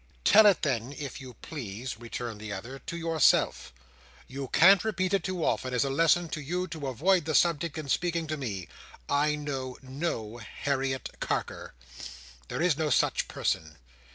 "Tell it then, if you please," returned the other, "to yourself. You can't repeat it too often, as a lesson to you to avoid the subject in speaking to me. I know no Harriet Carker. There is no such person.